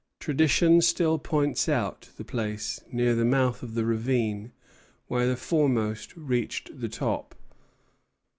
Tradition still points out the place, near the mouth of the ravine, where the foremost reached the top.